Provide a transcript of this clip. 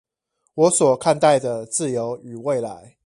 我所看待的自由與未來